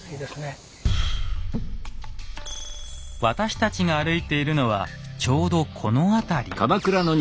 私たちが歩いているのはちょうどこの辺り。